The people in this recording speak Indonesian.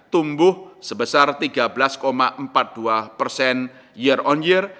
tumbuh sebesar tiga belas empat puluh dua persen year on year